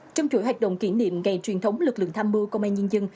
trong chuỗi hoạt động kỷ niệm ngày truyền thống lực lượng tham mưu công an nhân dân